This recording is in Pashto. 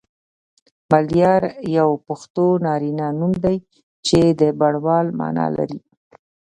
ملیار یو پښتو نارینه نوم دی چی د بڼوال معنی لری